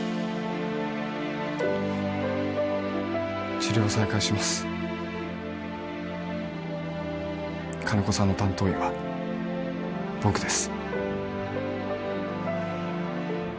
治療を再開します金子さんの担当医は僕です